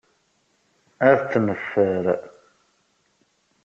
Ad tt-neffer.